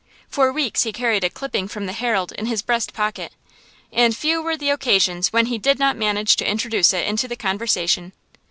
For weeks he carried a clipping from the "Herald" in his breast pocket, and few were the occasions when he did not manage to introduce it into the conversation.